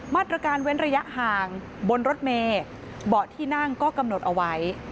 มาตรการเว้นระยะห่างบนรถเมย์เบาะที่นั่งก็กำหนดเอาไว้